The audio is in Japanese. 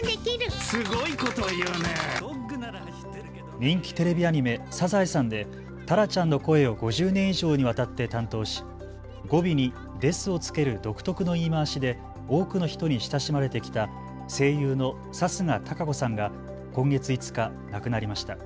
人気テレビアニメ、サザエさんでタラちゃんの声を５０年以上にわたって担当し語尾にですをつける独特の言い回しで多くの人に親しまれてきた声優の貴家堂子さんが今月５日、亡くなりました。